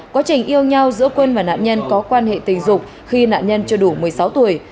quá trình yêu nhau giữa quân và nạn nhân có quan hệ tình dục khi nạn nhân chưa đủ một mươi sáu tuổi